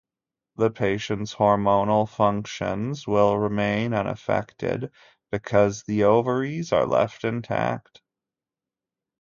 The patient's hormonal functions will remain unaffected because the ovaries are left intact.